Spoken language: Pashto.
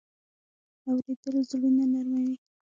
اورېدل زړونه نرمه وي.